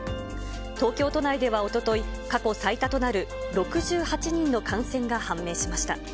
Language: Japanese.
東京都内ではおととい、過去最多となる６８人の感染が判明しました。